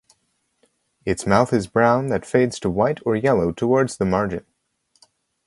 Its mouth is brown that fades to white or yellow towards the margin.